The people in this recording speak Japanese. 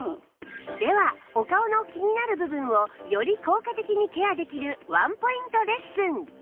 ではお顔の気になる部分をより効果的にケアできるワンポイントレッスン